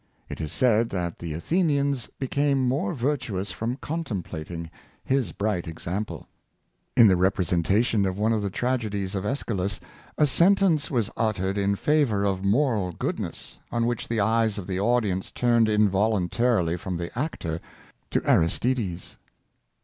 It is said that the Athenians became more virtuous from contemplating his bright example. In the representation of one of the tragedies of ^schylus, a sentence was uttered in favor of moral goodness, on which the eyes of the audi ence turned involuntarily from the actor to Aristides.